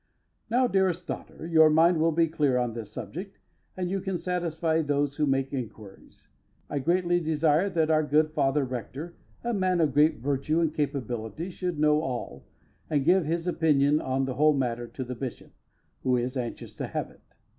Now, dearest daughter, your mind will be clear on this subject, and you can satisfy those who make inquiries. I greatly desire that our good Father Rector, a man of great virtue and capability, should know all, and give his opinion on the whole matter to the Bishop, who is anxious to have it.